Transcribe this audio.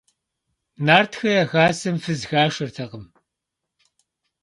Нартхэ я хасэм фыз хашэртэкъым.